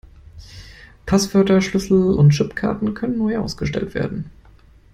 Passwörter, Schlüssel und Chipkarten können neu ausgestellt werden.